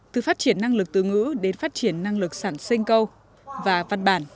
từ phát triển năng lực từ ngữ đến phát triển năng lực sản sinh câu và văn bản